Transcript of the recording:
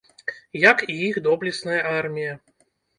Як і іх доблесная армія.